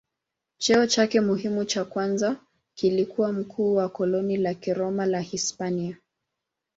Cheo chake muhimu cha kwanza kilikuwa mkuu wa koloni la Kiroma la Hispania.